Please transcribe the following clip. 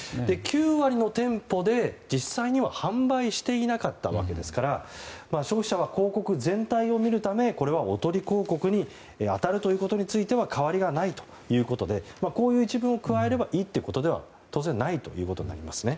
９割の店舗で実際には販売していなかったわけですから消費者は広告全体を見るためこれは、おとり広告に当たるということについては変わりがないということでこういう一文を加えればいいというわけでは当然ないということですね。